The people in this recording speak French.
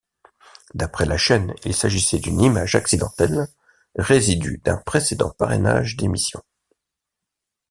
D'après la chaîne, il s'agissait d'une image accidentelle, résidu d'un précédent parrainage d'émission.